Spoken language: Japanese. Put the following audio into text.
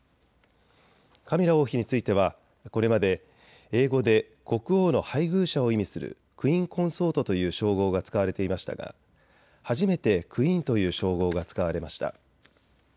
カミラ王妃についてはこれまで英語で国王の配偶者を意味するクイーン・コンソートという称号が使われていましたが初めてクイーンという称号が使われました。